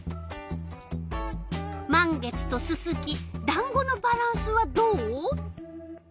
満月とススキだんごのバランスはどう？